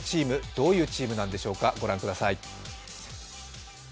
どんなチームなんでしょうか、ご覧ください。